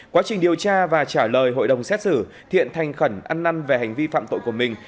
quá trình điều tra và trả lời hội đồng xét xử thiện thành khẩn ăn năn về hành vi phạm tội của mình